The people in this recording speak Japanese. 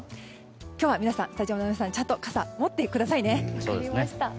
今日はスタジオの皆さん傘ちゃんと持ってくださいね。